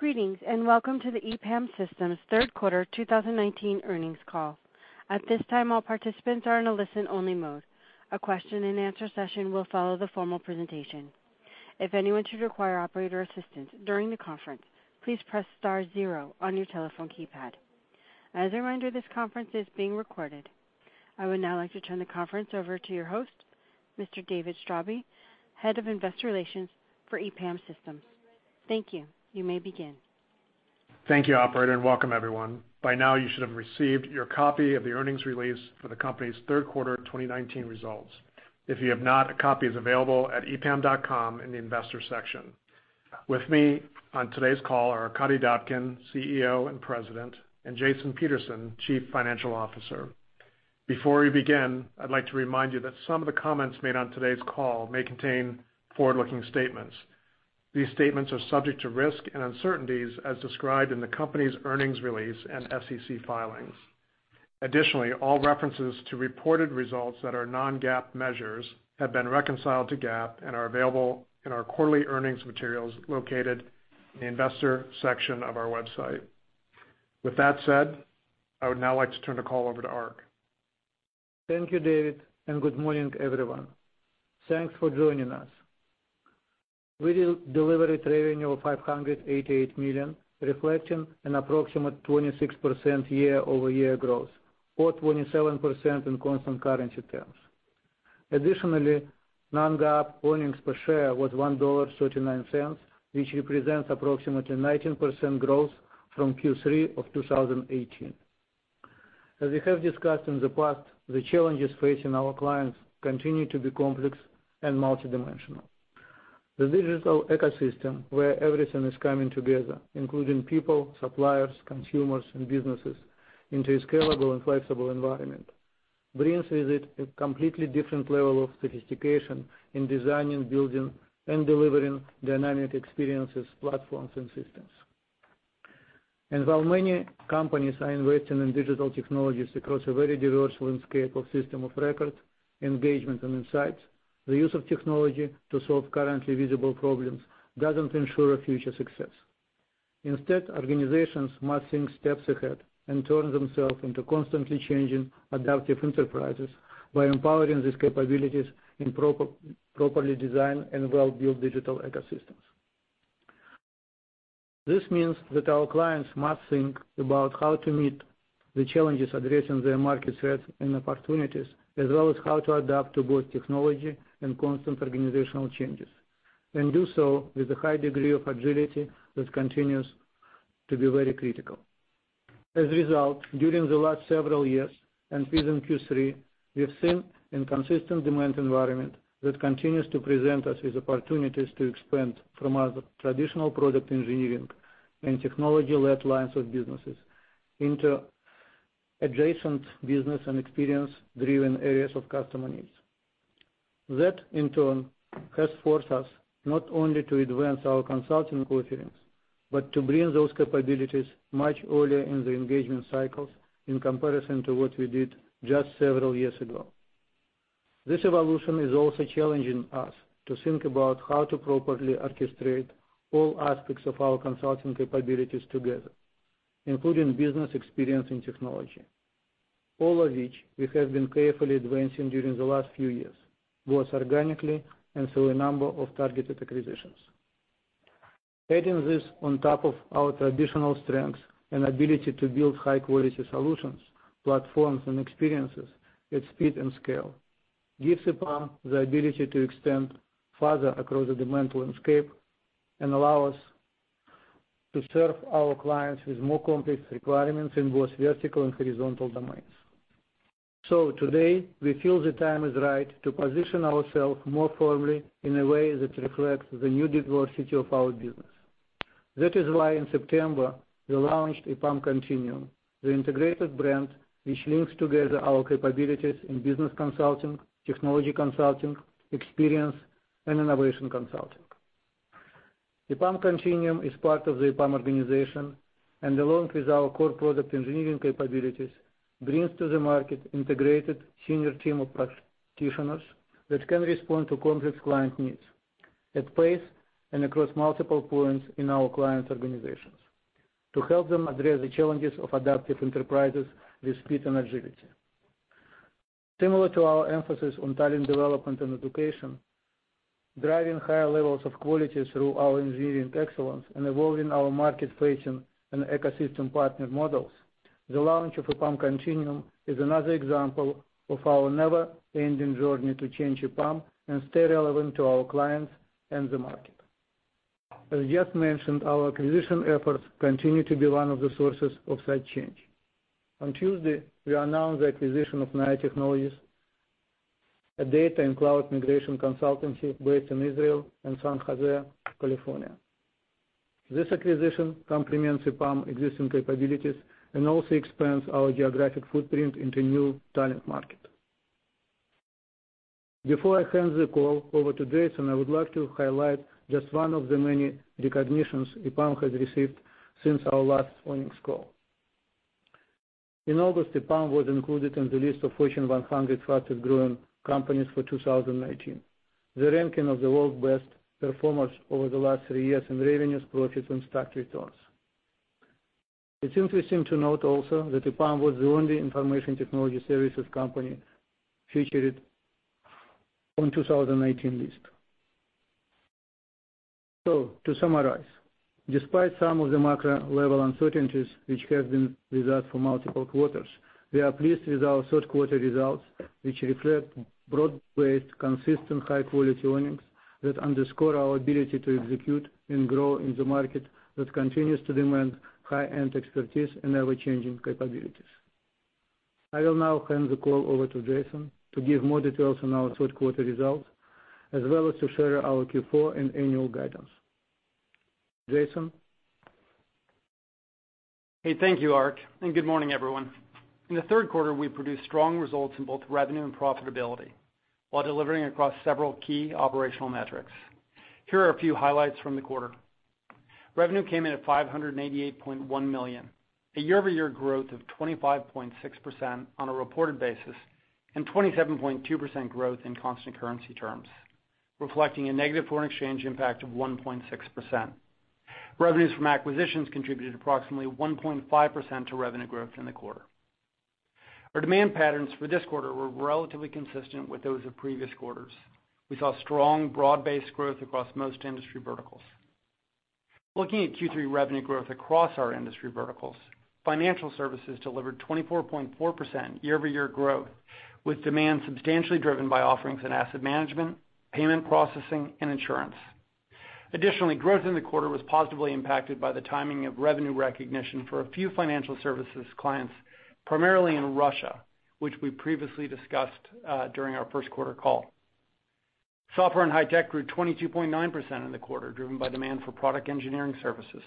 Greetings, and Welcome to the EPAM Systems third quarter 2019 earnings call. At this time, all participants are in a listen-only mode. A question and answer session will follow the formal presentation. If anyone should require operator assistance during the conference, please press star zero on your telephone keypad. As a reminder, this conference is being recorded. I would now like to turn the conference over to your host, Mr. David Straube, Head of Investor Relations for EPAM Systems. Thank you. You may begin. Thank you, operator, and welcome everyone. By now you should have received your copy of the earnings release for the company's third quarter 2019 results. If you have not, a copy is available at epam.com in the Investors section. With me on today's call are Arkadiy Dobkin, CEO and President, and Jason Peterson, Chief Financial Officer. Before we begin, I'd like to remind you that some of the comments made on today's call may contain forward-looking statements. These statements are subject to risk and uncertainties as described in the company's earnings release and SEC filings. Additionally, all references to reported results that are non-GAAP measures have been reconciled to GAAP and are available in our quarterly earnings materials located in the Investor section of our website. With that said, I would now like to turn the call over to Ark. Thank you, David. Good morning everyone. Thanks for joining us. We delivered revenue of $588 million, reflecting an approximate 26% year-over-year growth, or 27% in constant currency terms. Additionally, non-GAAP earnings per share was $1.39, which represents approximately 19% growth from Q3 of 2018. As we have discussed in the past, the challenges facing our clients continue to be complex and multidimensional. The digital ecosystem where everything is coming together, including people, suppliers, consumers, and businesses into a scalable and flexible environment, brings with it a completely different level of sophistication in designing, building, and delivering dynamic experiences, platforms, and systems. While many companies are investing in digital technologies across a very diverse landscape of system of record, engagement, and insights, the use of technology to solve currently visible problems doesn't ensure future success. Instead, organizations must think steps ahead and turn themselves into constantly changing adaptive enterprises by empowering these capabilities in properly designed and well-built digital ecosystems. This means that our clients must think about how to meet the challenges addressing their market threats and opportunities, as well as how to adapt to both technology and constant organizational changes, and do so with a high degree of agility that continues to be very critical. As a result, during the last several years, and even Q3, we have seen inconsistent demand environment that continues to present us with opportunities to expand from our traditional product engineering and technology-led lines of businesses into adjacent business and experience-driven areas of customer needs. That in turn has forced us not only to advance our consulting offerings, but to bring those capabilities much earlier in the engagement cycles in comparison to what we did just several years ago. This evolution is also challenging us to think about how to properly orchestrate all aspects of our consulting capabilities together, including business experience and technology, all of which we have been carefully advancing during the last few years, both organically and through a number of targeted acquisitions. Adding this on top of our traditional strengths and ability to build high-quality solutions, platforms, and experiences with speed and scale gives EPAM the ability to extend farther across the demand landscape and allow us to serve our clients with more complex requirements in both vertical and horizontal domains. Today, we feel the time is right to position ourselves more firmly in a way that reflects the new diversity of our business. That is why in September, we launched EPAM Continuum, the integrated brand which links together our capabilities in business consulting, technology consulting, experience, and innovation consulting. EPAM Continuum is part of the EPAM organization, and along with our core product engineering capabilities, brings to the market integrated senior team of practitioners that can respond to complex client needs at pace and across multiple points in our client organizations to help them address the challenges of adaptive enterprises with speed and agility. Similar to our emphasis on talent development and education, driving higher levels of quality through our engineering excellence, and evolving our market-facing and ecosystem partner models, the launch of EPAM Continuum is another example of our never-ending journey to change EPAM and stay relevant to our clients and the market. As I just mentioned, our acquisition efforts continue to be one of the sources of such change. On Tuesday, we announced the acquisition of NAYA Technologies, a data and cloud migration consultancy based in Israel and San Jose, California. This acquisition complements EPAM existing capabilities and also expands our geographic footprint into new talent market. Before I hand the call over to Jason, I would like to highlight just one of the many recognitions EPAM has received since our last earnings call. In August, EPAM was included in the list of Fortune 100 Fastest-Growing Companies for 2019, the ranking of the world's best performers over the last three years in revenues, profits, and stock returns. It is interesting to note also that EPAM was the only information technology services company featured on 2019 list. To summarize, despite some of the macro level uncertainties which have been with us for multiple quarters, we are pleased with our third quarter results, which reflect broad-based, consistent, high-quality earnings that underscore our ability to execute and grow in the market that continues to demand high-end expertise and ever-changing capabilities. I will now hand the call over to Jason to give more details on our third quarter results, as well as to share our Q4 and annual guidance. Jason? Hey, thank you, Ark. Good morning, everyone. In the third quarter, we produced strong results in both revenue and profitability while delivering across several key operational metrics. Here are a few highlights from the quarter. Revenue came in at $588.1 million, a year-over-year growth of 25.6% on a reported basis, and 27.2% growth in constant currency terms, reflecting a negative foreign exchange impact of 1.6%. Revenues from acquisitions contributed approximately 1.5% to revenue growth in the quarter. Our demand patterns for this quarter were relatively consistent with those of previous quarters. We saw strong, broad-based growth across most industry verticals. Looking at Q3 revenue growth across our industry verticals, financial services delivered 24.4% year-over-year growth, with demand substantially driven by offerings in asset management, payment processing, and insurance. Additionally, growth in the quarter was positively impacted by the timing of revenue recognition for a few financial services clients, primarily in Russia, which we previously discussed during our first quarter call. Software and high tech grew 22.9% in the quarter, driven by demand for product engineering services.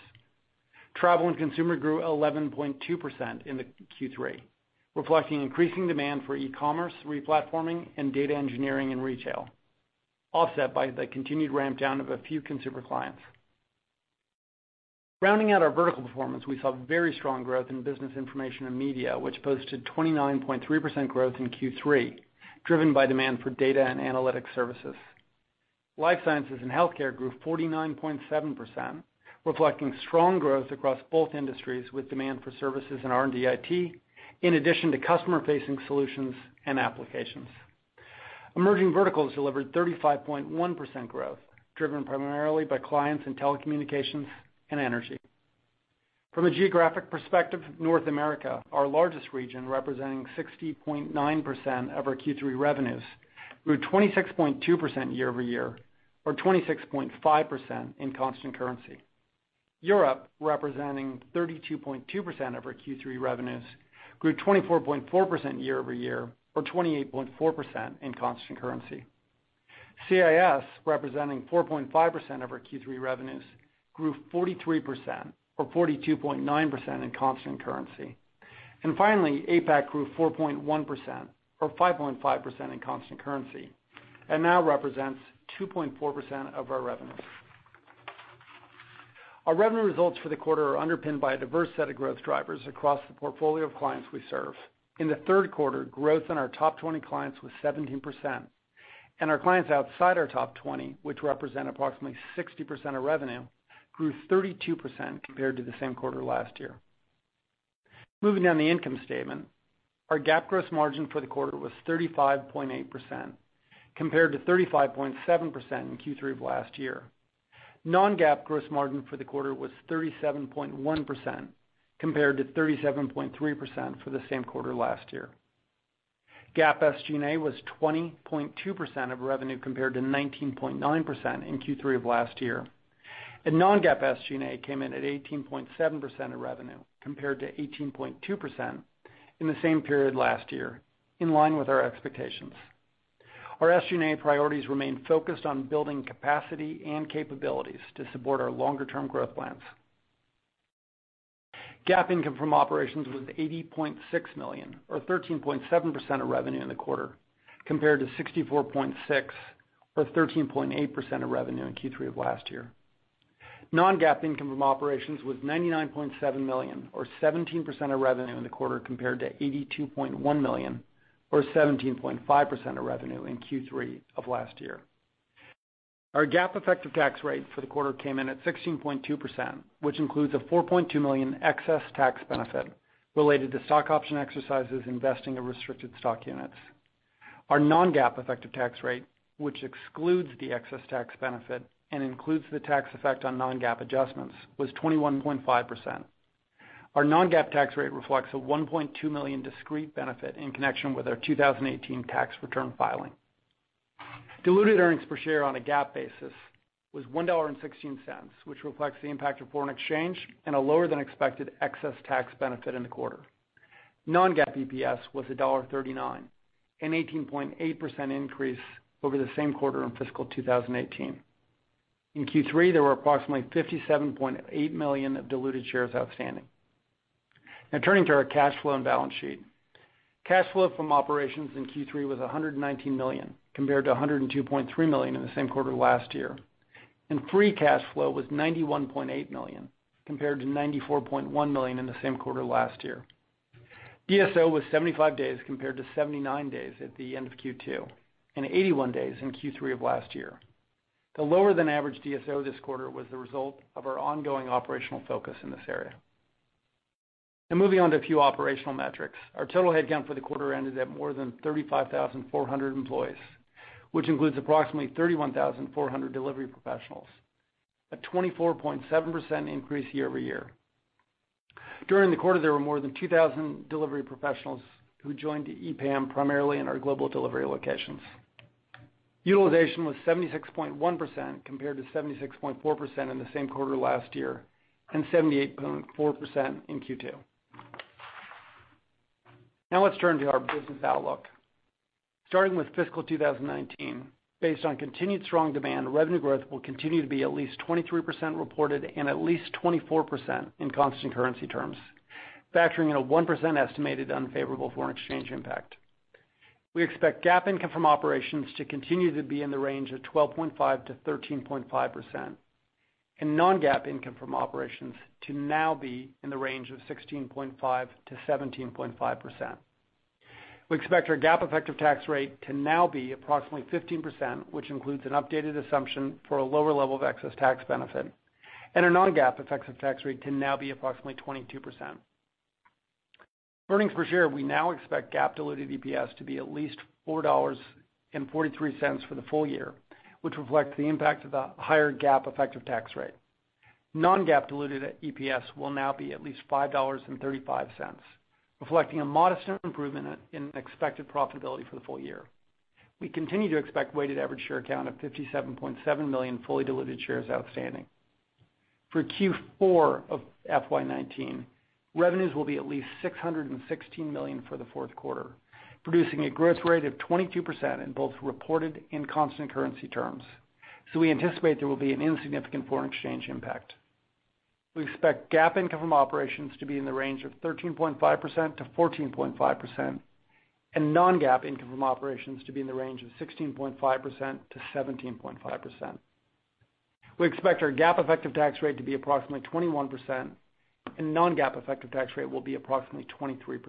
Travel and consumer grew 11.2% in the Q3, reflecting increasing demand for e-commerce, re-platforming, and data engineering in retail, offset by the continued ramp-down of a few consumer clients. Rounding out our vertical performance, we saw very strong growth in business information and media, which posted 29.3% growth in Q3, driven by demand for data and analytic services. Life sciences and healthcare grew 49.7%, reflecting strong growth across both industries with demand for services in R&D IT, in addition to customer-facing solutions and applications. Emerging verticals delivered 35.1% growth, driven primarily by clients in telecommunications and energy. From a geographic perspective, North America, our largest region, representing 60.9% of our Q3 revenues, grew 26.2% year-over-year or 26.5% in constant currency. Europe, representing 32.2% of our Q3 revenues, grew 24.4% year-over-year or 28.4% in constant currency. CIS, representing 4.5% of our Q3 revenues, grew 43% or 42.9% in constant currency. Finally, APAC grew 4.1% or 5.5% in constant currency and now represents 2.4% of our revenue. Our revenue results for the quarter are underpinned by a diverse set of growth drivers across the portfolio of clients we serve. In the third quarter, growth in our top 20 clients was 17%, and our clients outside our top 20, which represent approximately 60% of revenue, grew 32% compared to the same quarter last year. Moving down the income statement, our GAAP gross margin for the quarter was 35.8% compared to 35.7% in Q3 of last year. non-GAAP gross margin for the quarter was 37.1% compared to 37.3% for the same quarter last year. GAAP SG&A was 20.2% of revenue compared to 19.9% in Q3 of last year. non-GAAP SG&A came in at 18.7% of revenue compared to 18.2% in the same period last year, in line with our expectations. Our SG&A priorities remain focused on building capacity and capabilities to support our longer-term growth plans. GAAP income from operations was $80.6 million, or 13.7% of revenue in the quarter, compared to $64.6 or 13.8% of revenue in Q3 of last year. non-GAAP income from operations was $99.7 million, or 17% of revenue in the quarter, compared to $82.1 million or 17.5% of revenue in Q3 of last year. Our GAAP effective tax rate for the quarter came in at 16.2%, which includes a $4.2 million excess tax benefit related to stock option exercises and vesting of restricted stock units. Our non-GAAP effective tax rate, which excludes the excess tax benefit and includes the tax effect on non-GAAP adjustments, was 21.5%. Our non-GAAP tax rate reflects a $1.2 million discrete benefit in connection with our 2018 tax return filing. Diluted earnings per share on a GAAP basis was $1.16, which reflects the impact of foreign exchange and a lower-than-expected excess tax benefit in the quarter. Non-GAAP EPS was $1.39, an 18.8% increase over the same quarter in fiscal 2018. In Q3, there were approximately 57.8 million of diluted shares outstanding. Turning to our cash flow and balance sheet. Cash flow from operations in Q3 was $119 million, compared to $102.3 million in the same quarter last year. Free cash flow was $91.8 million, compared to $94.1 million in the same quarter last year. DSO was 75 days compared to 79 days at the end of Q2, and 81 days in Q3 of last year. The lower than average DSO this quarter was the result of our ongoing operational focus in this area. Moving on to a few operational metrics. Our total headcount for the quarter ended at more than 35,400 employees, which includes approximately 31,400 delivery professionals, a 24.7% increase year-over-year. During the quarter, there were more than 2,000 delivery professionals who joined EPAM primarily in our global delivery locations. Utilization was 76.1% compared to 76.4% in the same quarter last year, and 78.4% in Q2. Let's turn to our business outlook. Starting with fiscal 2019, based on continued strong demand, revenue growth will continue to be at least 23% reported and at least 24% in constant currency terms, factoring in a 1% estimated unfavorable foreign exchange impact. We expect GAAP income from operations to continue to be in the range of 12.5%-13.5%, and non-GAAP income from operations to now be in the range of 16.5%-17.5%. We expect our GAAP effective tax rate to now be approximately 15%, which includes an updated assumption for a lower level of excess tax benefit, and our non-GAAP effective tax rate to now be approximately 22%. Earnings per share, we now expect GAAP diluted EPS to be at least $4.43 for the full year, which reflects the impact of the higher GAAP effective tax rate. Non-GAAP diluted EPS will now be at least $5.35, reflecting a modest improvement in expected profitability for the full year. We continue to expect weighted average share count of 57.7 million fully diluted shares outstanding. For Q4 of FY 2019, revenues will be at least $616 million for the fourth quarter, producing a growth rate of 22% in both reported and constant currency terms. We anticipate there will be an insignificant foreign exchange impact. We expect GAAP income from operations to be in the range of 13.5%-14.5%, and non-GAAP income from operations to be in the range of 16.5%-17.5%. We expect our GAAP effective tax rate to be approximately 21%, and non-GAAP effective tax rate will be approximately 23%.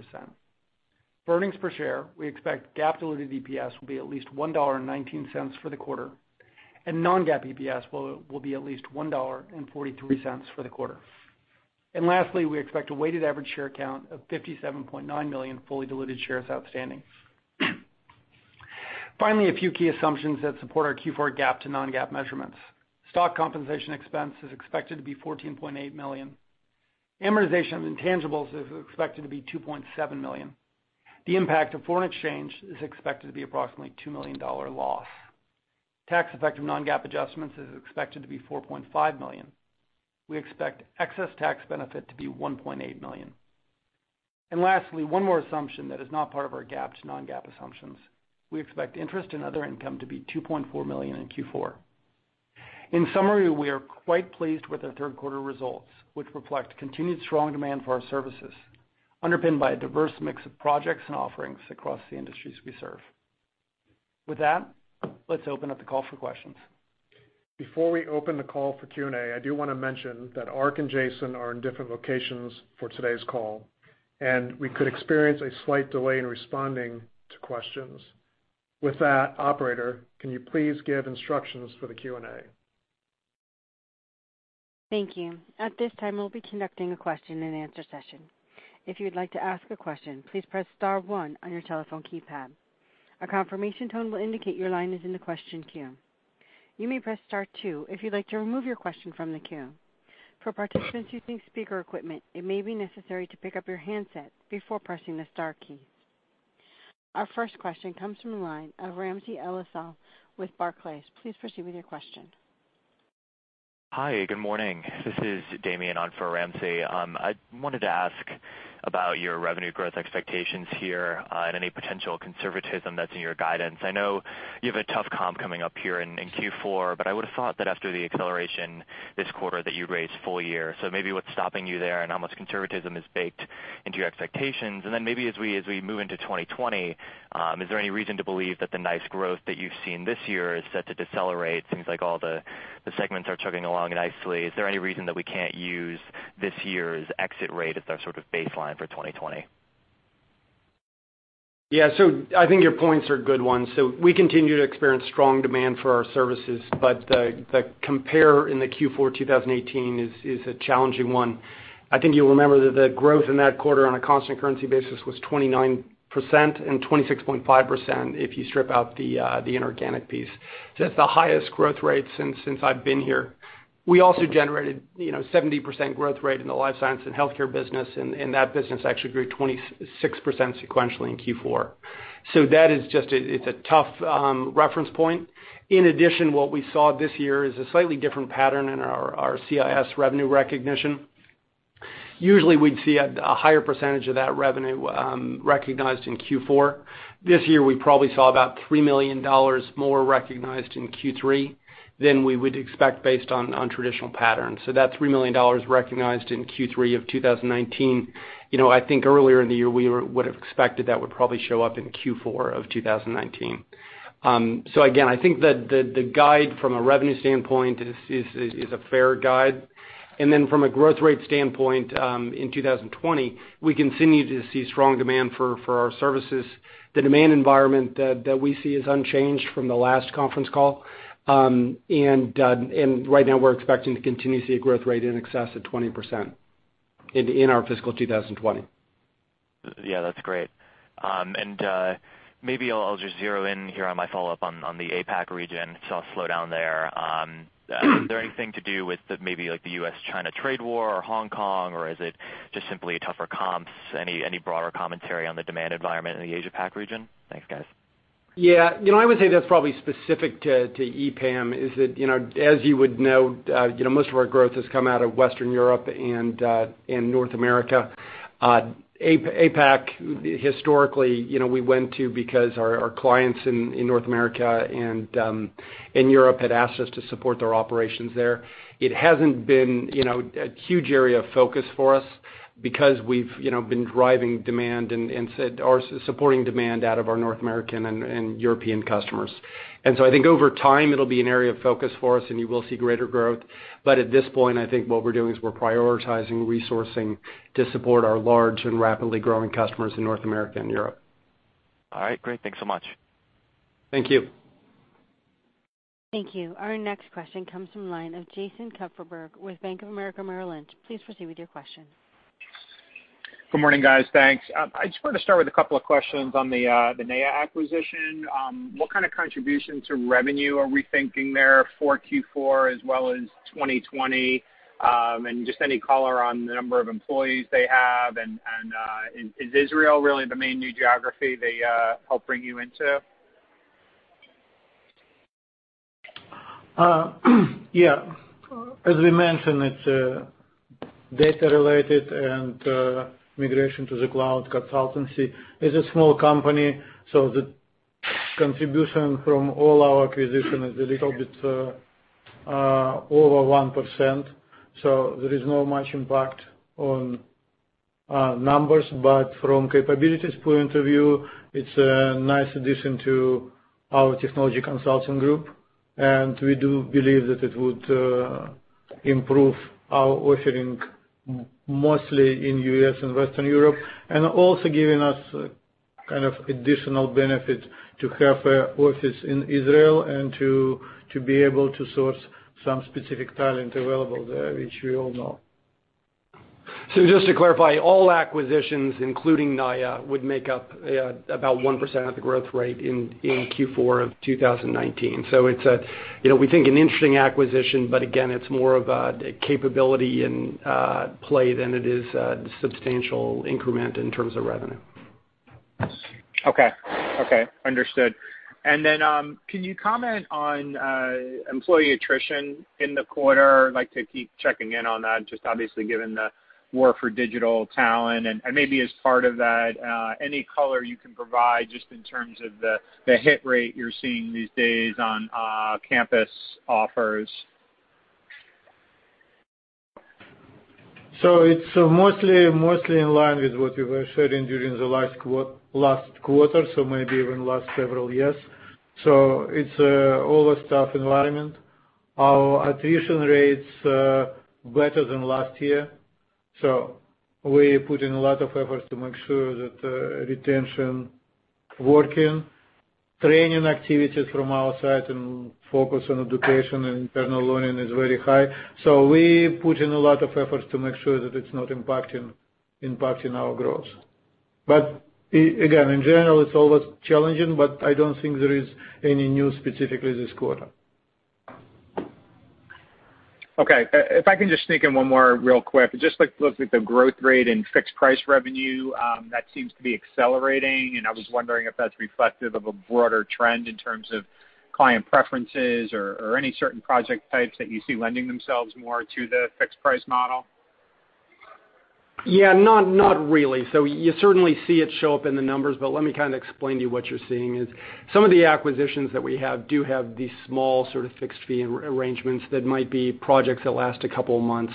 Earnings per share, we expect GAAP diluted EPS will be at least $1.19 for the quarter, non-GAAP EPS will be at least $1.43 for the quarter. Lastly, we expect a weighted average share count of 57.9 million fully diluted shares outstanding. Finally, a few key assumptions that support our Q4 GAAP to non-GAAP measurements. Stock compensation expense is expected to be $14.8 million. Amortization of intangibles is expected to be $2.7 million. The impact of foreign exchange is expected to be approximately $2 million loss. Tax effect of non-GAAP adjustments is expected to be $4.5 million. We expect excess tax benefit to be $1.8 million. Lastly, one more assumption that is not part of our GAAP to non-GAAP assumptions. We expect interest in other income to be $2.4 million in Q4. In summary, we are quite pleased with our third quarter results, which reflect continued strong demand for our services, underpinned by a diverse mix of projects and offerings across the industries we serve. With that, let's open up the call for questions. Before we open the call for Q&A, I do want to mention that Ark and Jason are in different locations for today's call, and we could experience a slight delay in responding to questions. With that, operator, can you please give instructions for the Q&A? Thank you. At this time, we'll be conducting a question and answer session. If you would like to ask a question, please press star one on your telephone keypad. A confirmation tone will indicate your line is in the question queue. You may press star two if you'd like to remove your question from the queue. For participants using speaker equipment, it may be necessary to pick up your handset before pressing the star keys. Our first question comes from the line of Ramsey El-Assal with Barclays. Please proceed with your question. Hi, good morning. This is Damian on for Ramsey. I wanted to ask about your revenue growth expectations here and any potential conservatism that's in your guidance. I know you have a tough comp coming up here in Q4, but I would have thought that after the acceleration this quarter, that you'd raise full year. Maybe what's stopping you there, and how much conservatism is baked into your expectations? Then maybe as we move into 2020, is there any reason to believe that the nice growth that you've seen this year is set to decelerate? Seems like all the segments are chugging along nicely. Is there any reason that we can't use this year's exit rate as our sort of baseline for 2020? I think your points are good ones. We continue to experience strong demand for our services, but the compare in the Q4 2018 is a challenging one. I think you'll remember that the growth in that quarter on a constant currency basis was 29% and 26.5% if you strip out the inorganic piece. That's the highest growth rate since I've been here. We also generated 70% growth rate in the life science and healthcare business, and that business actually grew 26% sequentially in Q4. That is just a tough reference point. In addition, what we saw this year is a slightly different pattern in our CIS revenue recognition. Usually we'd see a higher percentage of that revenue recognized in Q4. This year, we probably saw about $3 million more recognized in Q3 than we would expect based on traditional patterns. That $3 million recognized in Q3 of 2019, I think earlier in the year, we would've expected that would probably show up in Q4 of 2019. Again, I think that the guide from a revenue standpoint is a fair guide. Then from a growth rate standpoint, in 2020, we continue to see strong demand for our services. The demand environment that we see is unchanged from the last conference call. Right now, we're expecting to continue to see a growth rate in excess of 20% in our fiscal 2020. Yeah, that's great. Maybe I'll just zero in here on my follow-up on the APAC region. I'll slow down there. Is there anything to do with maybe like the U.S.-China trade war or Hong Kong, or is it just simply tougher comps? Any broader commentary on the demand environment in the Asia-Pac region? Thanks, guys. Yeah. I would say that's probably specific to EPAM, is that, as you would know, most of our growth has come out of Western Europe and North America. APAC, historically, we went to because our clients in North America and in Europe had asked us to support their operations there. It hasn't been a huge area of focus for us because we've been driving demand or supporting demand out of our North American and European customers. I think over time, it'll be an area of focus for us, and you will see greater growth. But at this point, I think what we're doing is we're prioritizing resourcing to support our large and rapidly growing customers in North America and Europe. All right. Great. Thanks so much. Thank you. Thank you. Our next question comes from the line of Jason Kupferberg with Bank of America Merrill Lynch. Please proceed with your question. Good morning, guys. Thanks. I just wanted to start with a couple of questions on the NAYA acquisition. What kind of contribution to revenue are we thinking there for Q4 as well as 2020? Just any color on the number of employees they have, and is Israel really the main new geography they help bring you into? As we mentioned, it's data related and migration to the cloud consultancy. It's a small company, so the contribution from all our acquisition is a little bit over 1%. There is not much impact on numbers. From capabilities point of view, it's a nice addition to our technology consulting group, and we do believe that it would improve our offering mostly in U.S. and Western Europe, and also giving us kind of additional benefit to have a office in Israel and to be able to source some specific talent available there, which we all know. Just to clarify, all acquisitions, including NAYA, would make up about 1% of the growth rate in Q4 of 2019. It's we think an interesting acquisition, but again, it's more of a capability in play than it is a substantial increment in terms of revenue. Okay. Understood. Can you comment on employee attrition in the quarter? I'd like to keep checking in on that just obviously given the war for digital talent. As part of that, any color you can provide just in terms of the hit rate you're seeing these days on campus offers. It's mostly in line with what we were sharing during the last quarter, so maybe even last several years. It's all a staff environment. Our attrition rate's better than last year, so we put in a lot of efforts to make sure that retention working, training activities from our side and focus on education and internal learning is very high. We put in a lot of efforts to make sure that it's not impacting our growth. Again, in general, it's always challenging, but I don't think there is any new specifically this quarter. Okay. If I can just sneak in one more real quick. Just like looking at the growth rate in fixed price revenue, that seems to be accelerating, and I was wondering if that's reflective of a broader trend in terms of client preferences or any certain project types that you see lending themselves more to the fixed price model? Yeah, not really. You certainly see it show up in the numbers, but let me kind of explain to you what you're seeing is some of the acquisitions that we have do have these small sort of fixed fee arrangements that might be projects that last a couple of months.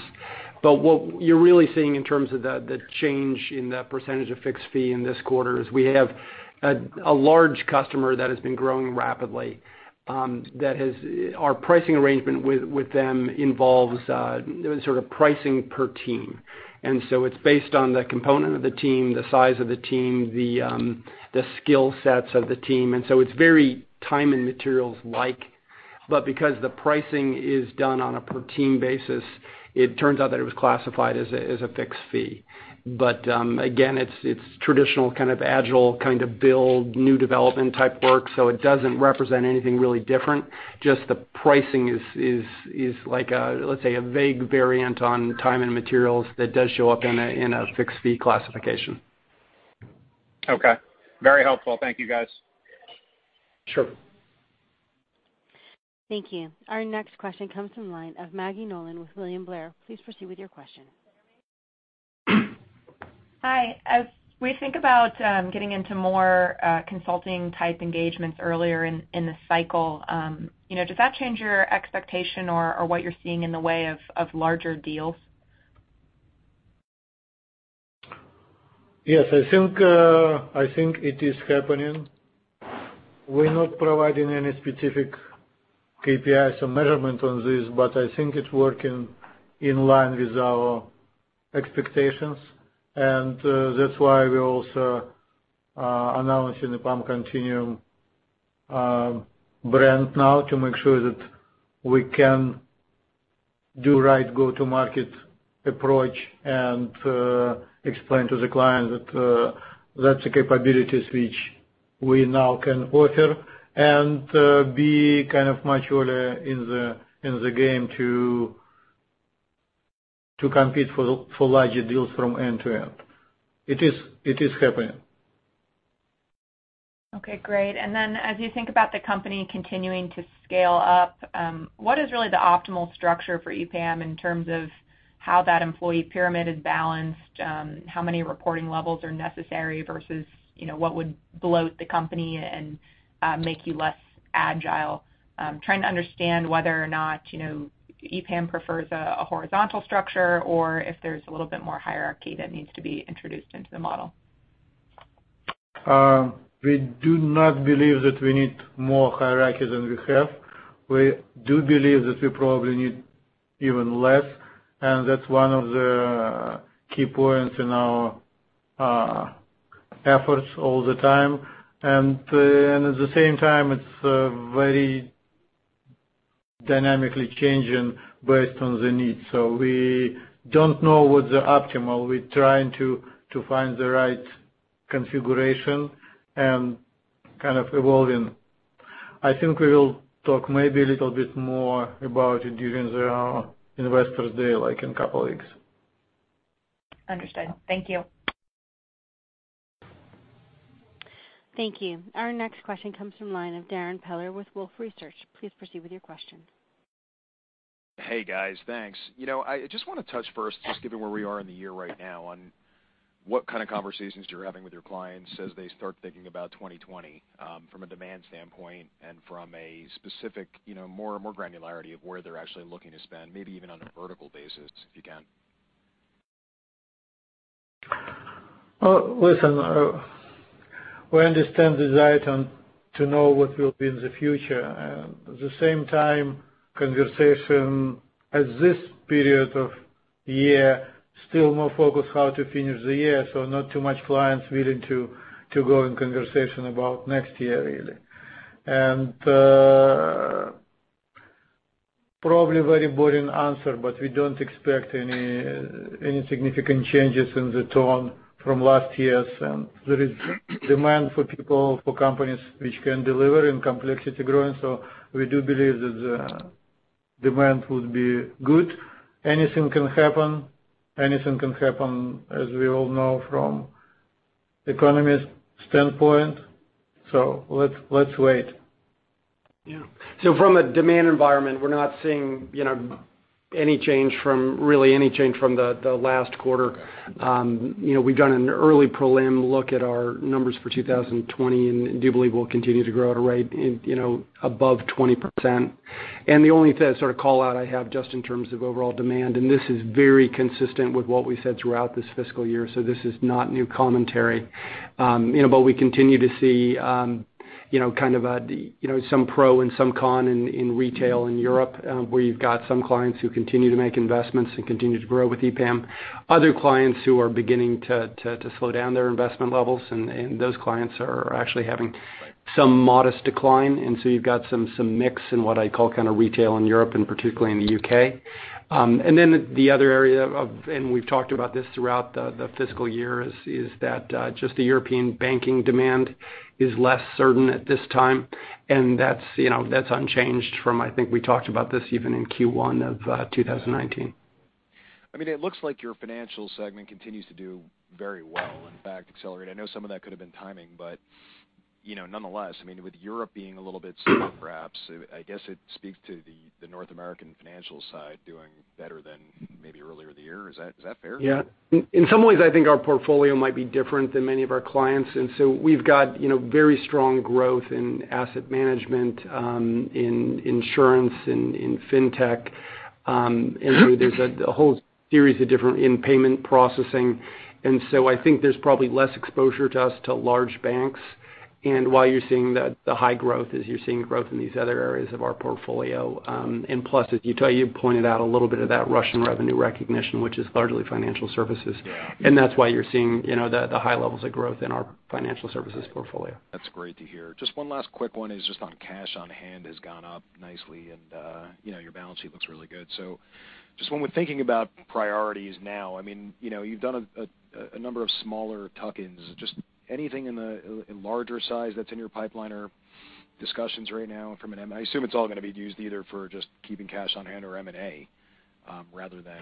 What you're really seeing in terms of the change in the percentage of fixed fee in this quarter is we have a large customer that has been growing rapidly. Our pricing arrangement with them involves sort of pricing per team. It's based on the component of the team, the size of the team, the skill sets of the team, and so it's very time and materials like. Because the pricing is done on a per team basis, it turns out that it was classified as a fixed fee. Again, it's traditional kind of agile, kind of build new development type work, so it doesn't represent anything really different. Just the pricing is like a, let's say, a vague variant on time and materials that does show up in a fixed fee classification. Okay. Very helpful. Thank you, guys. Sure. Thank you. Our next question comes from the line of Maggie Nolan with William Blair. Please proceed with your question. Hi. As we think about getting into more consulting type engagements earlier in the cycle, does that change your expectation or what you're seeing in the way of larger deals? Yes. I think it is happening. We're not providing any specific KPIs or measurement on this. I think it's working in line with our expectations. That's why we're also announcing the EPAM Continuum brand now to make sure that we can do right go-to-market approach and explain to the client that that's the capabilities which we now can offer, and be much earlier in the game to compete for larger deals from end to end. It is happening. Okay, great. As you think about the company continuing to scale up, what is really the optimal structure for EPAM in terms of how that employee pyramid is balanced? How many reporting levels are necessary versus what would bloat the company and make you less agile? I'm trying to understand whether or not EPAM prefers a horizontal structure or if there's a little bit more hierarchy that needs to be introduced into the model. We do not believe that we need more hierarchy than we have. We do believe that we probably need even less, and that's one of the key points in our efforts all the time. At the same time, it's very dynamically changing based on the needs. We don't know, we're trying to find the right configuration and kind of evolving. I think we will talk maybe a little bit more about it during our Investors Day, like in a couple of weeks. Understood. Thank you. Thank you. Our next question comes from line of Darrin Peller with Wolfe Research. Please proceed with your question. Hey, guys. Thanks. I just want to touch first, just given where we are in the year right now, on what kind of conversations you're having with your clients as they start thinking about 2020, from a demand standpoint and from a specific, more granularity of where they're actually looking to spend, maybe even on a vertical basis, if you can. Listen, we understand the desire to know what will be in the future. At the same time, conversation at this period of year, still more focused how to finish the year, so not too much clients willing to go in conversation about next year, really. Probably a very boring answer, but we don't expect any significant changes in the tone from last year. There is demand for people, for companies which can deliver, and complexity growing. We do believe that the demand would be good. Anything can happen. Anything can happen, as we all know, from economist's standpoint. Let's wait. Yeah. From a demand environment, we're not seeing really any change from the last quarter. We've done an early prelim look at our numbers for 2020 and do believe we'll continue to grow at a rate above 20%. The only sort of call-out I have just in terms of overall demand, and this is very consistent with what we said throughout this fiscal year, this is not new commentary. We continue to see some pro and some con in retail in Europe, where you've got some clients who continue to make investments and continue to grow with EPAM. Other clients who are beginning to slow down their investment levels, those clients are actually having some modest decline. You've got some mix in what I call retail in Europe, particularly in the U.K. The other area of, and we've talked about this throughout the fiscal year, is that just the European banking demand is less certain at this time. That's unchanged from, I think we talked about this even in Q1 of 2019. It looks like your financial segment continues to do very well, in fact, accelerate. I know some of that could've been timing, but nonetheless, with Europe being a little bit slow perhaps, I guess it speaks to the North American financial side doing better than maybe earlier in the year. Is that fair? Yeah. In some ways, I think our portfolio might be different than many of our clients. We've got very strong growth in asset management, in insurance, in fintech. There's a whole series of different in payment processing. I think there's probably less exposure to us to large banks. Why you're seeing the high growth is you're seeing growth in these other areas of our portfolio. Plus, as you pointed out, a little bit of that Russian revenue recognition, which is largely financial services. Yeah. That's why you're seeing the high levels of growth in our financial services portfolio. That's great to hear. Just one last quick one is just on cash on hand has gone up nicely, and your balance sheet looks really good. Just when we're thinking about priorities now, you've done a number of smaller tuck-ins. Anything in larger size that's in your pipeline or discussions right now. I assume it's all going to be used either for just keeping cash on hand or M&A, rather than.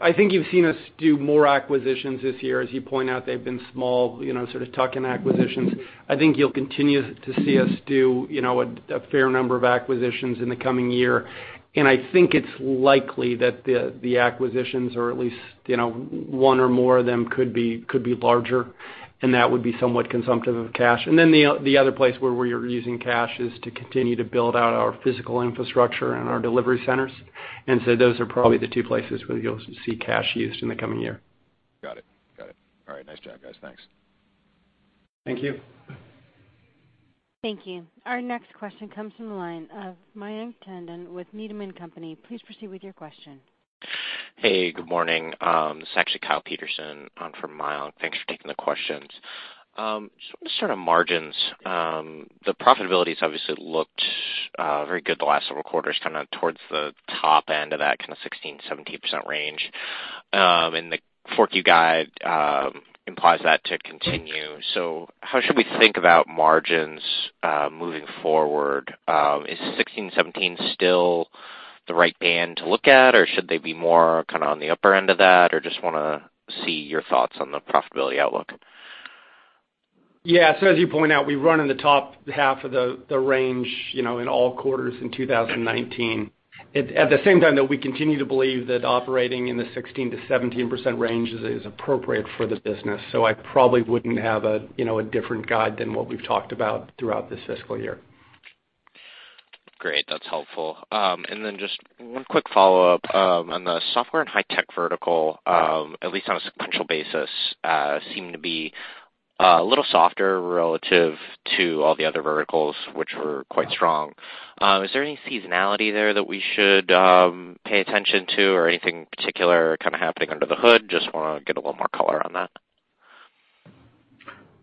I think you've seen us do more acquisitions this year. As you point out, they've been small, sort of tuck-in acquisitions. I think you'll continue to see us do a fair number of acquisitions in the coming year. I think it's likely that the acquisitions, or at least one or more of them, could be larger, and that would be somewhat consumptive of cash. The other place where we're using cash is to continue to build out our physical infrastructure and our delivery centers. Those are probably the two places where you'll see cash used in the coming year. Got it. All right. Nice job, guys. Thanks. Thank you. Thank you. Our next question comes from the line of Mayank Tandon with Needham & Company. Please proceed with your question. Hey, good morning. This is actually Kyle Peterson. I'm from Mayank. Thanks for taking the questions. Just on margins. The profitability's obviously looked very good the last several quarters, towards the top end of that 16%-17% range. The 4Q guide implies that to continue. How should we think about margins, moving forward? Is 16%-17% still the right band to look at, or should they be more on the upper end of that? Just want to see your thoughts on the profitability outlook. Yeah. As you point out, we run in the top half of the range in all quarters in 2019. At the same time, though, we continue to believe that operating in the 16%-17% range is appropriate for the business. I probably wouldn't have a different guide than what we've talked about throughout this fiscal year. Great. That's helpful. Just one quick follow-up. On the software and high tech vertical, at least on a sequential basis, seem to be a little softer relative to all the other verticals, which were quite strong. Is there any seasonality there that we should pay attention to or anything particular happening under the hood? Just want to get a little more color on that.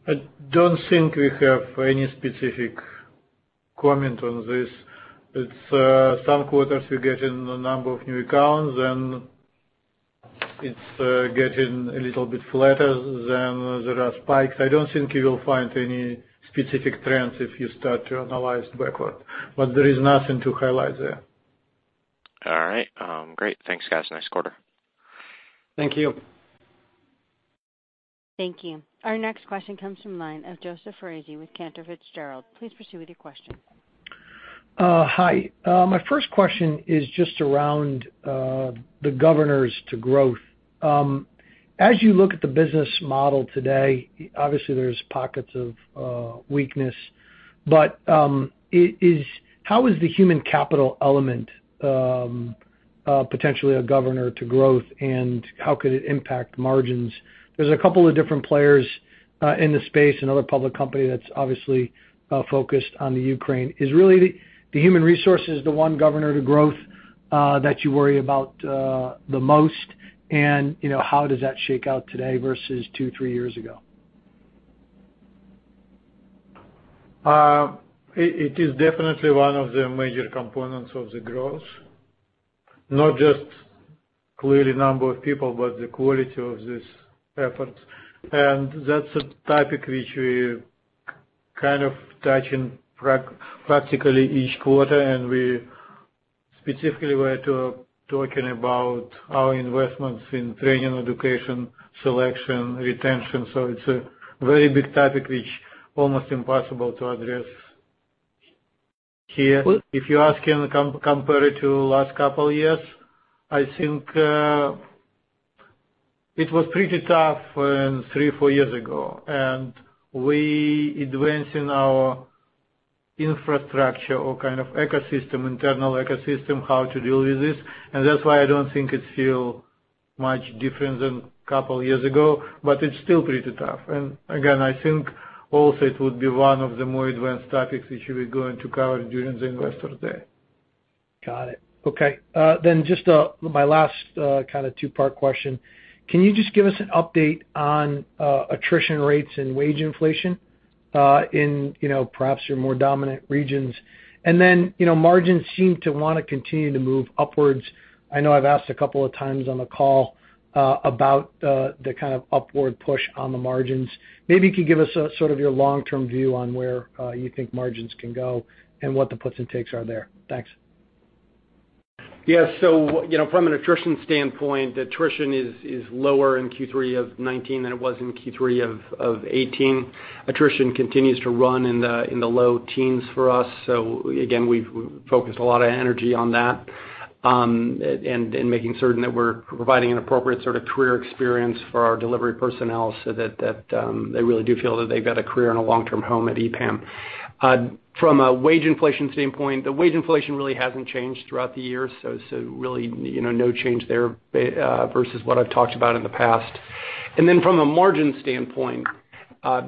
I don't think we have any specific comment on this. It's some quarters we get in a number of new accounts, and it's getting a little bit flatter than there are spikes. I don't think you will find any specific trends if you start to analyze backward. There is nothing to highlight there. All right. Great. Thanks, guys. Nice quarter. Thank you. Thank you. Our next question comes from line of Joseph Foresi with Cantor Fitzgerald. Please proceed with your question. Hi. My first question is just around the governors to growth. As you look at the business model today, obviously there's pockets of weakness, but how is the human capital element potentially a governor to growth, and how could it impact margins? There's a couple of different players in the space, another public company that's obviously focused on the Ukraine. Is really the human resources the one governor to growth that you worry about the most, and how does that shake out today versus two, three years ago? It is definitely one of the major components of the growth, not just clearly number of people, but the quality of these efforts. That's a topic which we kind of touch in practically each quarter, and we specifically were talking about our investments in training, education, selection, retention. It's a very big topic which almost impossible to address here. If you're asking compared to last couple years, I think it was pretty tough three, four years ago, and we advancing our infrastructure or kind of ecosystem, internal ecosystem, how to deal with this. That's why I don't think it feel much different than couple years ago, but it's still pretty tough. Again, I think also it would be one of the more advanced topics which we're going to cover during the Investor Day. Got it. Okay. Just my last kind of two-part question. Can you just give us an update on attrition rates and wage inflation in perhaps your more dominant regions? Margins seem to want to continue to move upwards. I know I've asked a couple of times on the call about the kind of upward push on the margins. Maybe you could give us sort of your long-term view on where you think margins can go and what the puts and takes are there. Thanks. Yeah. From an attrition standpoint, attrition is lower in Q3 of 2019 than it was in Q3 of 2018. Attrition continues to run in the low teens for us. Again, we've focused a lot of energy on that, and making certain that we're providing an appropriate sort of career experience for our delivery personnel so that they really do feel that they've got a career and a long-term home at EPAM. From a wage inflation standpoint, the wage inflation really hasn't changed throughout the year, so really no change there, versus what I've talked about in the past. From a margin standpoint, I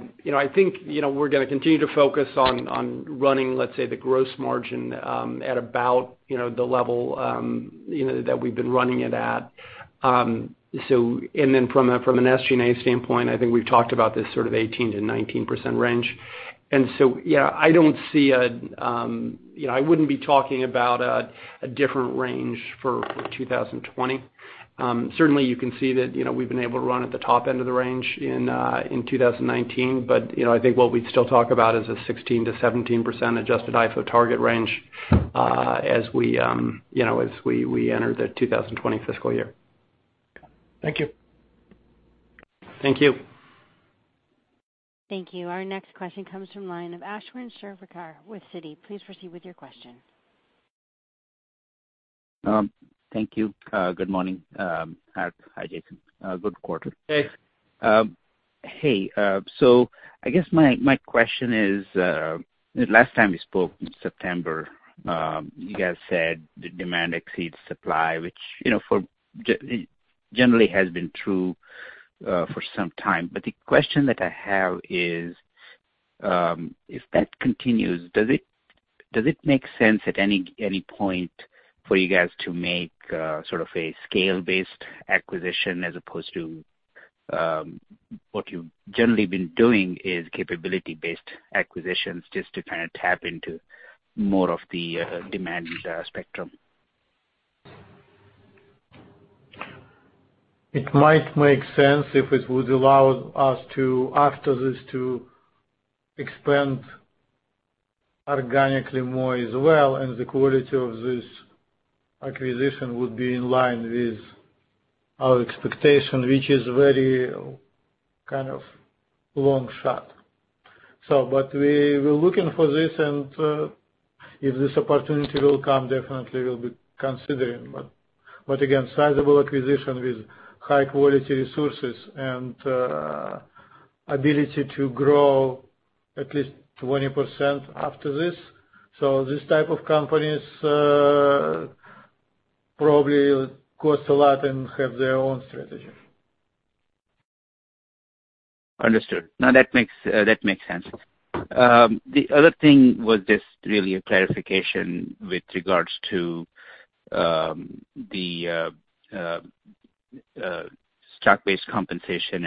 think we're going to continue to focus on running, let's say, the gross margin, at about the level that we've been running it at. From an SG&A standpoint, I think we've talked about this sort of 18%-19% range. Yeah, I wouldn't be talking about a different range for 2020. Certainly, you can see that we've been able to run at the top end of the range in 2019. I think what we'd still talk about is a 16%-17% adjusted IFO target range as we enter the 2020 fiscal year. Thank you. Thank you. Thank you. Our next question comes from line of Ashwin Shirvaikar with Citi. Please proceed with your question. Thank you. Good morning. Hi Jason. Good quarter. Thanks. Hey, I guess my question is, last time we spoke in September, you guys said the demand exceeds supply, which for generally has been true for some time. The question that I have is, if that continues, does it make sense at any point for you guys to make a scale-based acquisition as opposed to what you've generally been doing is capability-based acquisitions, just to tap into more of the demand spectrum? It might make sense if it would allow us to, after this, expand organically more as well, and the quality of this acquisition would be in line with our expectation, which is very long shot. We're looking for this, and if this opportunity will come, definitely we'll be considering. Again, sizable acquisition with high-quality resources and ability to grow at least 20% after this. These type of companies probably cost a lot and have their own strategy. Understood. That makes sense. The other thing was just really a clarification with regards to the stock-based compensation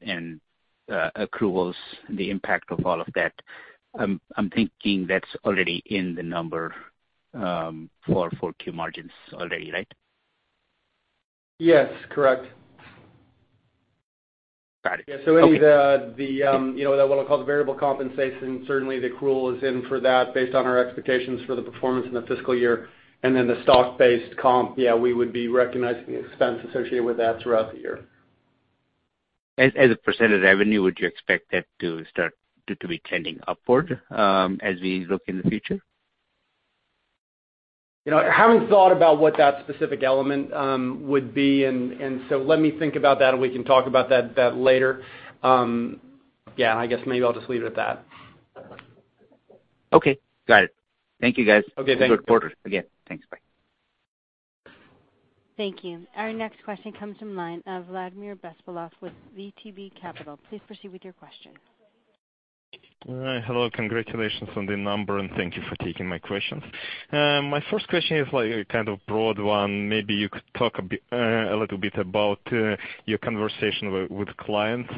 and accruals, the impact of all of that. I'm thinking that's already in the number for 4Q margins already, right? Yes, correct. Got it. Okay. Yeah. Any of the, what I call the variable compensation, certainly the accrual is in for that based on our expectations for the performance in the fiscal year. Then the stock-based comp, yeah, we would be recognizing the expense associated with that throughout the year. As a % of revenue, would you expect that to be trending upward as we look in the future? I haven't thought about what that specific element would be, and so let me think about that and we can talk about that later. Yeah, I guess maybe I'll just leave it at that. Okay. Got it. Thank you, guys. Okay. Thank you. Have a good quarter. Again, thanks. Bye. Thank you. Our next question comes from the line of Vladimir Bespalov with VTB Capital. Please proceed with your question. Hello. Congratulations on the number, and thank you for taking my questions. My first question is a kind of broad one. Maybe you could talk a little bit about your conversation with clients.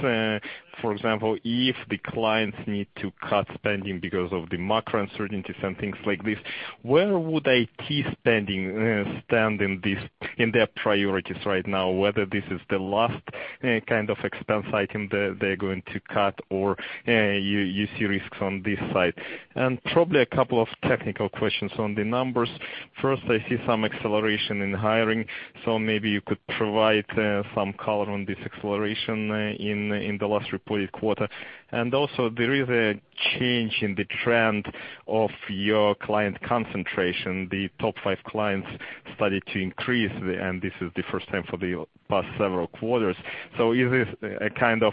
For example, if the clients need to cut spending because of the macro uncertainties and things like this, where would IT spending stand in their priorities right now, whether this is the last kind of expense item they're going to cut, or you see risks on this side? Probably a couple of technical questions on the numbers. First, I see some acceleration in hiring, so maybe you could provide some color on this acceleration in the last reported quarter. Also, there is a change in the trend of your client concentration. The top five clients started to increase, and this is the first time for the past several quarters. Is this a kind of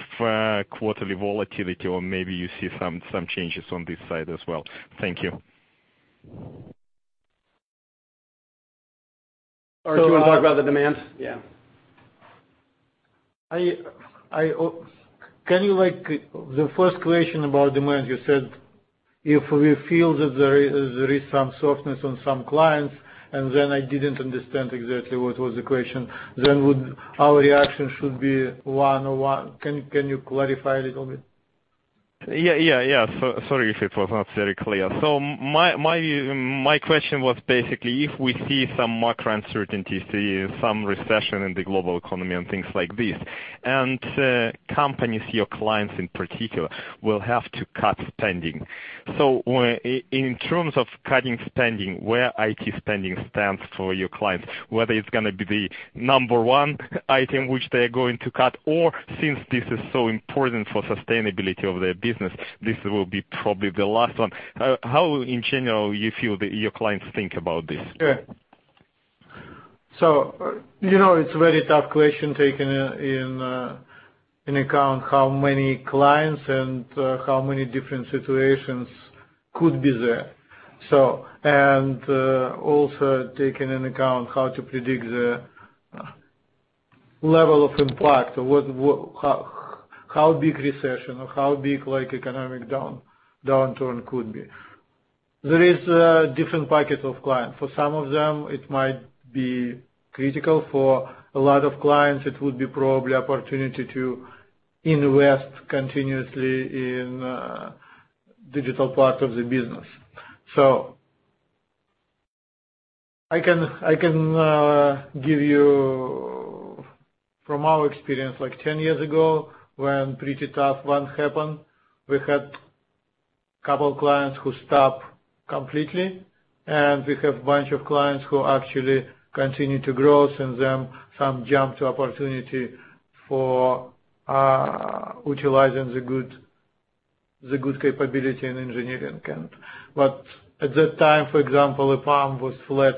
quarterly volatility, or maybe you see some changes on this side as well? Thank you. Do you want to talk about the demand? Yeah. The first question about demand, you said if we feel that there is some softness on some clients, I didn't understand exactly what was the question. Our reaction should be what? Can you clarify a little bit? Yeah. Sorry if it was not very clear. My question was basically, if we see some macro uncertainties, some recession in the global economy and things like this, and companies, your clients in particular, will have to cut spending. In terms of cutting spending, where IT spending stands for your clients, whether it's going to be the number 1 item which they are going to cut or since this is so important for sustainability of their business, this will be probably the last one. How in general you feel that your clients think about this? Yeah. It's a very tough question, taking in account how many clients and how many different situations could be there. Also taking in account how to predict the level of impact or how big recession or how big economic downturn could be. There is different pockets of clients. For some of them, it might be critical. For a lot of clients, it would be probably opportunity to invest continuously in digital part of the business. I can give you from our experience, like 10 years ago, when pretty tough one happened, we had couple clients who stopped completely, and we have bunch of clients who actually continued to grow, and then some jumped to opportunity for utilizing the good capability in engineering. At that time, for example, EPAM was flat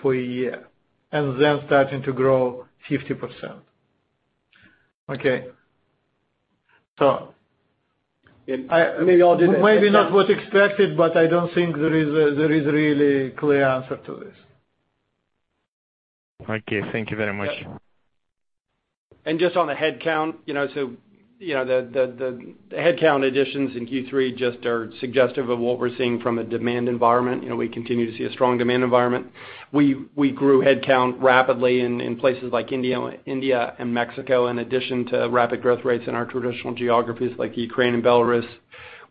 for a year and then starting to grow 50%. Maybe I'll do. Maybe not what's expected, but I don't think there is a really clear answer to this. Okay, thank you very much. Just on the headcount. The headcount additions in Q3 just are suggestive of what we're seeing from a demand environment. We continue to see a strong demand environment. We grew headcount rapidly in places like India and Mexico, in addition to rapid growth rates in our traditional geographies like Ukraine and Belarus.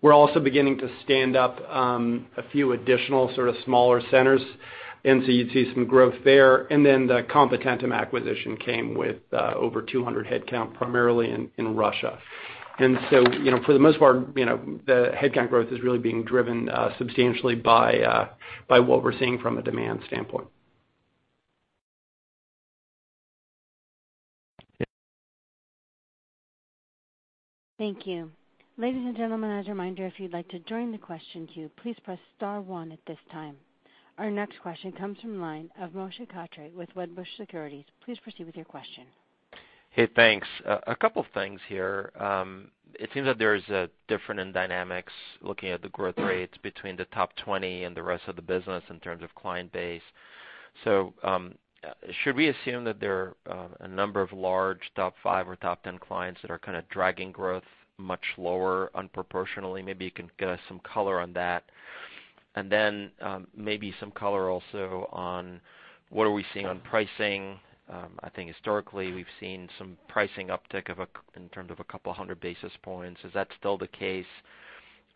We're also beginning to stand up a few additional sort of smaller centers, and so you'd see some growth there. The Competentum acquisition came with over 200 headcount, primarily in Russia. For the most part, the headcount growth is really being driven substantially by what we're seeing from a demand standpoint. Thank you. Ladies and gentlemen, as a reminder, if you'd like to join the question queue, please press star one at this time. Our next question comes from the line of Moshe Katri with Wedbush Securities. Please proceed with your question. Hey, thanks. A couple things here. It seems that there's a difference in dynamics looking at the growth rates between the top 20 and the rest of the business in terms of client base. Should we assume that there are a number of large top five or top 10 clients that are kind of dragging growth much lower disproportionately? Maybe you can give us some color on that. Maybe some color also on what are we seeing on pricing. I think historically, we've seen some pricing uptick in terms of a couple of hundred basis points. Is that still the case?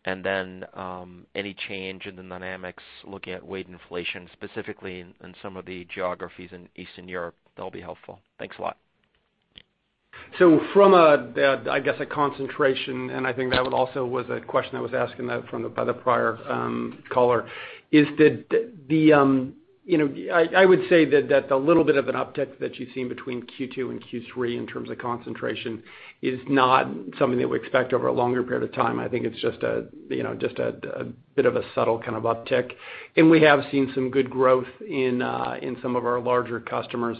Any change in the dynamics looking at wage inflation, specifically in some of the geographies in Eastern Europe? That'll be helpful. Thanks a lot. From, I guess, a concentration, and I think that also was a question that was asked by the prior caller, I would say that the little bit of an uptick that you've seen between Q2 and Q3 in terms of concentration is not something that we expect over a longer period of time. I think it's just a bit of a subtle kind of uptick. We have seen some good growth in some of our larger customers.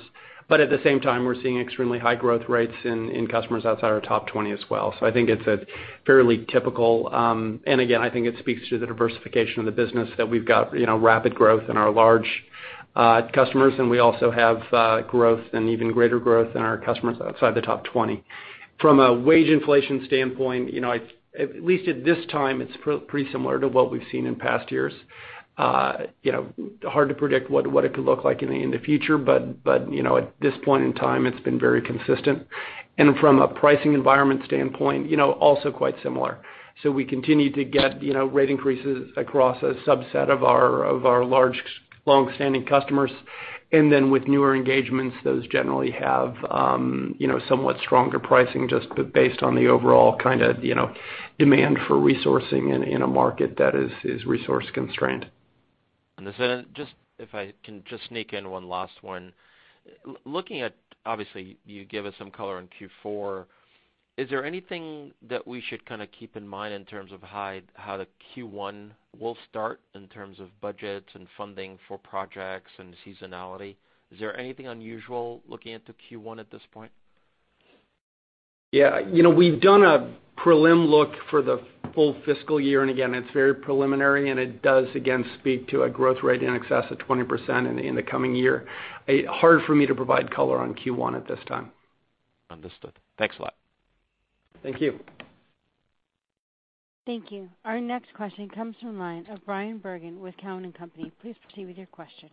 At the same time, we're seeing extremely high growth rates in customers outside our top 20 as well. I think it's fairly typical. Again, I think it speaks to the diversification of the business that we've got rapid growth in our large customers, and we also have growth and even greater growth in our customers outside the top 20. From a wage inflation standpoint, at least at this time, it's pretty similar to what we've seen in past years. Hard to predict what it could look like in the future, but at this point in time, it's been very consistent. From a pricing environment standpoint, also quite similar. We continue to get rate increases across a subset of our large, longstanding customers. With newer engagements, those generally have somewhat stronger pricing, just based on the overall kind of demand for resourcing in a market that is resource-constrained. Understood. If I can just sneak in one last one. Looking at, obviously, you give us some color on Q4, is there anything that we should kind of keep in mind in terms of how the Q1 will start in terms of budgets and funding for projects and seasonality? Is there anything unusual looking into Q1 at this point? Yeah. We've done a prelim look for the full fiscal year, and again, it's very preliminary, and it does again speak to a growth rate in excess of 20% in the coming year. Hard for me to provide color on Q1 at this time. Understood. Thanks a lot. Thank you. Thank you. Our next question comes from the line of Bryan Bergin with Cowen and Company. Please proceed with your question.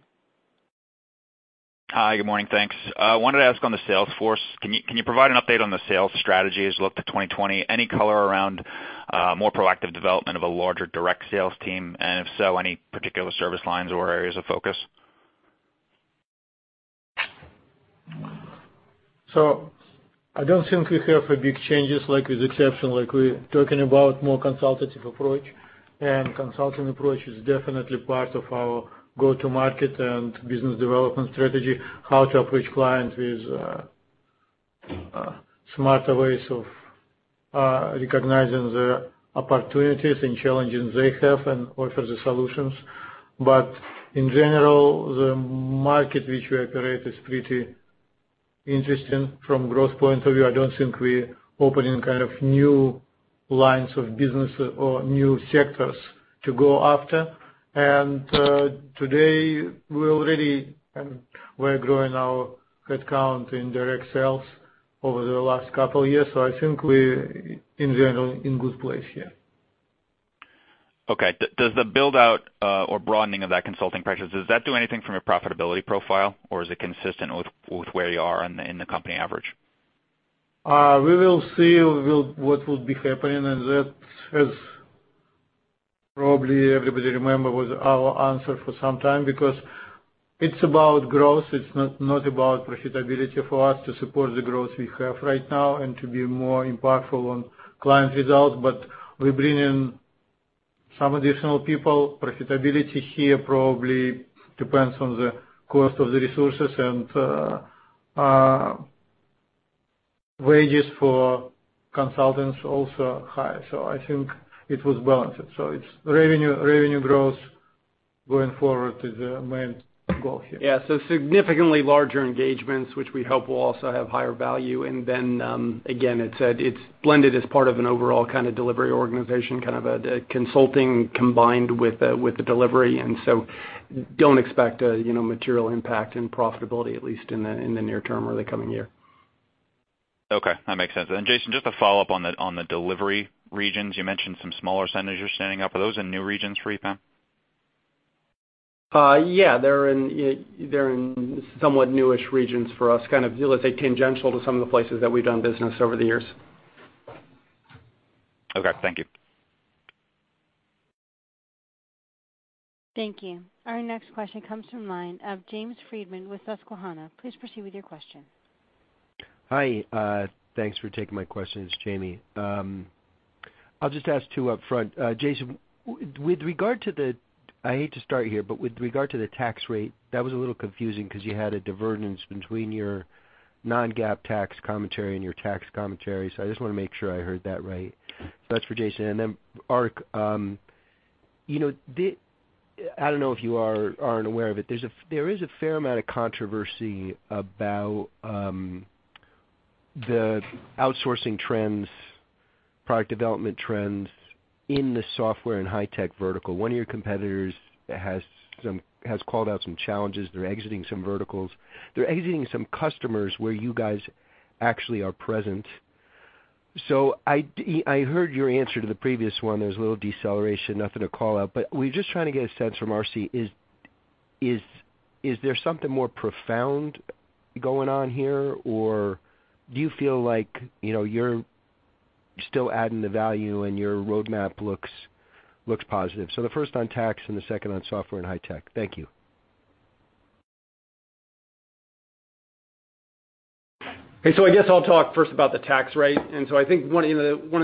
Hi, good morning, thanks. I wanted to ask on the sales force. Can you provide an update on the sales strategy as you look to 2020? Any color around more proactive development of a larger direct sales team? If so, any particular service lines or areas of focus? I don't think we have big changes, like with exception, like we're talking about more consultative approach. Consulting approach is definitely part of our go-to-market and business development strategy, how to approach clients with smarter ways of recognizing the opportunities and challenges they have and offer the solutions. In general, the market which we operate is pretty interesting from growth point of view. I don't think we're opening kind of new lines of business or new sectors to go after. Today, we're growing our headcount in direct sales over the last couple years, so I think we're, in general, in a good place here. Okay. Does the build-out or broadening of that consulting practice, does that do anything from a profitability profile, or is it consistent with where you are in the company average? We will see what will be happening, and that, as probably everybody remember, was our answer for some time because it's about growth. It's not about profitability for us to support the growth we have right now and to be more impactful on client results. We bring in some additional people. Profitability here probably depends on the cost of the resources, and wages for consultants also are high. I think it was balanced. It's revenue growth going forward is the main goal here. Yeah. Significantly larger engagements, which we hope will also have higher value. Again, it's blended as part of an overall kind of delivery organization, kind of a consulting combined with a delivery. Don't expect a material impact in profitability, at least in the near term or the coming year. Okay. That makes sense. Jason, just a follow-up on the delivery regions. You mentioned some smaller centers you're standing up. Are those in new regions for EPAM? Yeah, they're in somewhat newish regions for us, kind of let's say tangential to some of the places that we've done business over the years. Okay, thank you. Thank you. Our next question comes from line of Jamie Friedman with Susquehanna. Please proceed with your question. Hi. Thanks for taking my question. It's Jamie. I'll just ask two upfront. Jason, I hate to start here, but with regard to the tax rate, that was a little confusing because you had a divergence between your non-GAAP tax commentary and your tax commentary. I just want to make sure I heard that right. That's for Jason. Then Ark, I don't know if you are or aren't aware of it. There is a fair amount of controversy about the outsourcing trends, product development trends in the software and high tech vertical. One of your competitors has called out some challenges. They're exiting some verticals. They're exiting some customers where you guys actually are present. I heard your answer to the previous one. There's a little deceleration, nothing to call out. We're just trying to get a sense from Ark, is there something more profound going on here, or do you feel like you're still adding the value and your roadmap looks positive? The first on tax and the second on software and high tech. Thank you. Hey, I guess I'll talk first about the tax rate. I think one of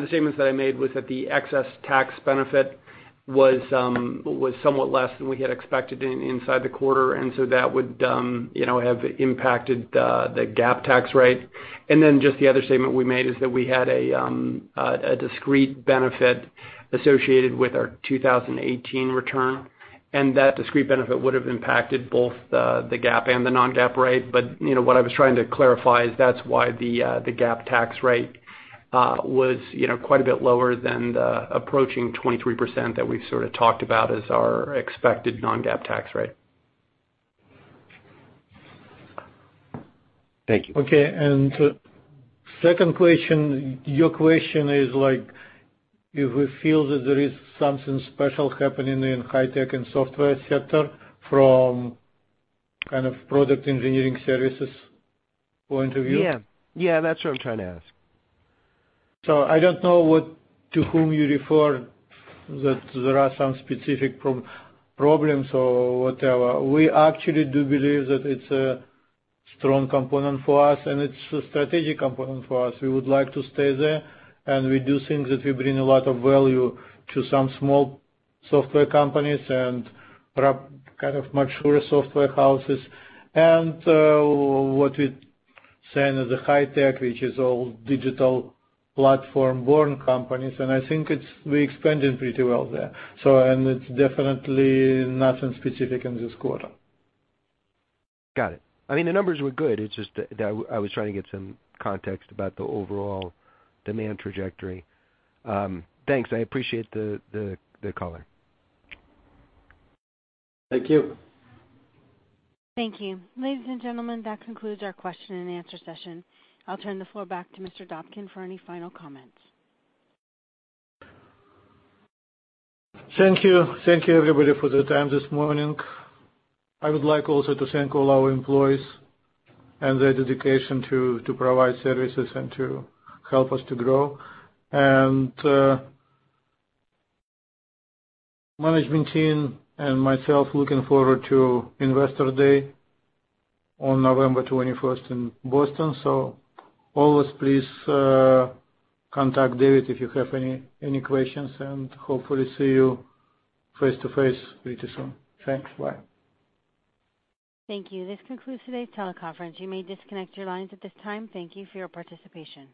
the statements that I made was that the excess tax benefit was somewhat less than we had expected inside the quarter, and so that would have impacted the GAAP tax rate. Just the other statement we made is that we had a discrete benefit associated with our 2018 return, and that discrete benefit would have impacted both the GAAP and the non-GAAP rate. What I was trying to clarify is that's why the GAAP tax rate was quite a bit lower than the approaching 23% that we've sort of talked about as our expected non-GAAP tax rate. Thank you. Okay. Second question, your question is if we feel that there is something special happening in high tech and software sector from kind of product engineering services point of view? Yeah. That's what I'm trying to ask. I don't know to whom you refer that there are some specific problems or whatever. We actually do believe that it's a strong component for us, and it's a strategic component for us. We would like to stay there, and we do think that we bring a lot of value to some small software companies and kind of mature software houses. What we saying is the high tech, which is all digital platform-born companies, and I think we expanded pretty well there. It's definitely nothing specific in this quarter. Got it. The numbers were good, it's just that I was trying to get some context about the overall demand trajectory. Thanks. I appreciate the call in. Thank you. Thank you. Ladies and gentlemen, that concludes our question and answer session. I'll turn the floor back to Mr. Dobkin for any final comments. Thank you. Thank you everybody for the time this morning. I would like also to thank all our employees and their dedication to provide services and to help us to grow. Management team and myself looking forward to Investor Day on November 21st in Boston. Always please contact David if you have any questions, and hopefully see you face-to-face pretty soon. Thanks. Bye. Thank you. This concludes today's teleconference. You may disconnect your lines at this time. Thank you for your participation.